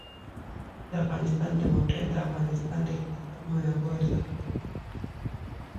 د افغانستان د موقعیت د افغانستان د اقتصادي منابعو ارزښت زیاتوي.